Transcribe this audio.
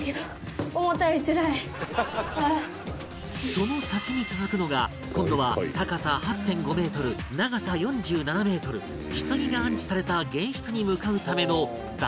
その先に続くのが今度は高さ ８．５ メートル長さ４７メートル棺が安置された玄室に向かうための大回廊